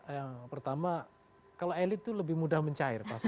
yang pertama kalau elit itu lebih mudah mencair